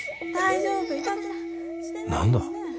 何だ？